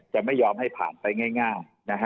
จะไม่ยอมให้ผ่านไปง่าย